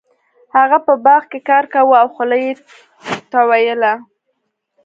هغه په باغ کې کار کاوه او خوله یې تویوله.